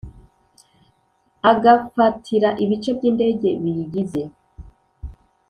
agafatira ibice by indege biyigize